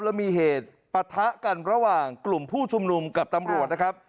แล้วมีเหตุปะทะกันระหว่างกลุ่มผู้ชุมนุมกับตำรวจนะครับ